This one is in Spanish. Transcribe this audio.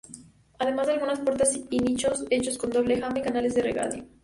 Además de algunas puertas y nichos hechos con doble jamba y canales de regadío.